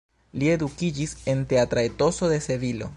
Li edukiĝis en teatra etoso de Sevilo.